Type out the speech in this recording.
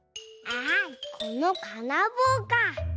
あこのかなぼうか。